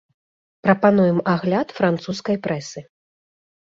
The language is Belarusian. Прапануем агляд французскай прэсы.